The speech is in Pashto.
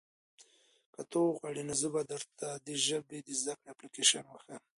که ته وغواړې نو زه به درته د ژبې د زده کړې اپلیکیشن وښیم.